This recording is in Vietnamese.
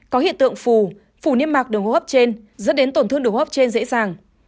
có hiện tượng phù phủ niêm mạc đường hô hấp trên dẫn đến tổn thương đường hấp trên dễ dàng